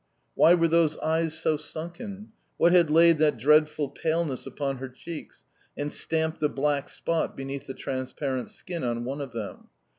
Why were those eyes so sunken? What had laid that dreadful paleness upon her cheeks, and stamped the black spot beneath the transparent skin on one of them?